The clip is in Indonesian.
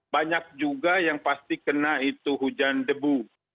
banyak juga yang pasti kena itu hujan debu